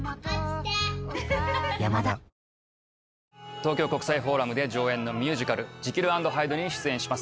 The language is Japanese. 東京国際フォーラムで上演のミュージカル『ジキル＆ハイド』に出演します。